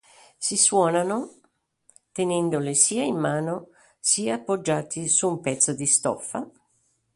Si suonano tenendoli sia in mano sia poggiati su un pezzo di stoffa.